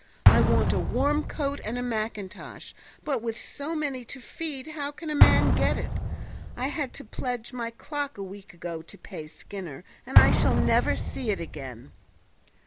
I want a warm coat and a mackintosh, but with so many to feed how can a man get it? I had to pledge my clock a week ago to pay Skinner, and I shall never see it again."